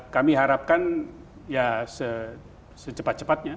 kami harapkan ya secepat cepatnya